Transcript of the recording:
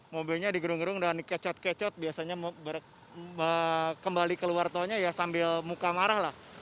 mobilnya digerung gerung dan kecot kecot biasanya kembali keluar tolnya ya sambil muka marah lah